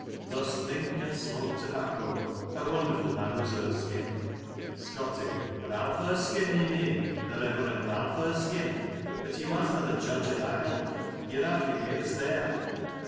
" Thus think and smoke tobacco." A wonderful man was Erskine. Scotty: Ralph Erskine, ye mean, the Reverend Ralph Erskine — but he wasna the judge o' that ilk ; ye're afF yer eggs there.